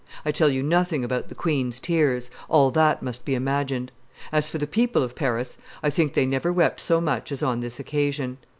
I tell you nothing about the queen's tears; all that must be imagined. As for the people of Paris, I think they never wept so much as on this occasion."